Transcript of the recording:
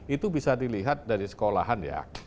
itu bisa dilihat dari sekolahan ya